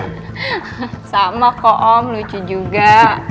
sama kok om lucu juga